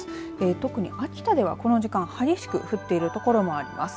特に秋田ではこの時間激しく降っているところもあります。